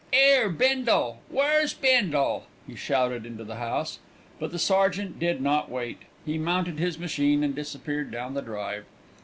'Ere, Bindle where's Bindle?" he shouted into the house. But the sergeant did not wait. He mounted his machine and disappeared down the drive.